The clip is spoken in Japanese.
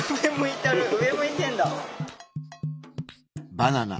バナナ。